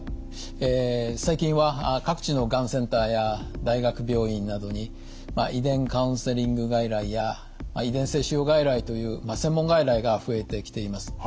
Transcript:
最近は各地のがんセンターや大学病院などに遺伝カウンセリング外来や遺伝性腫瘍外来という専門外来が増えてきています。